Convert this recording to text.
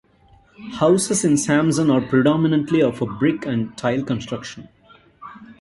Houses in Samson are predominantly of a brick and tile construction.